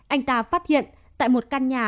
anh ta phát hiện tại một căn nhà